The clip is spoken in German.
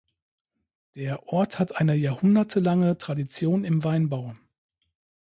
Der Ort hat eine jahrhundertelange Tradition im Weinbau.